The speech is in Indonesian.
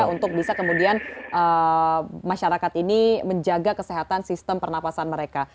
untuk bisa kemudian masyarakat ini menjaga kesehatan sistem pernafasan mereka